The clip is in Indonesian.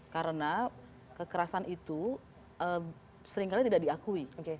karena kekerasan itu seringkali tidak diakui